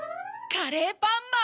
カレーパンマン！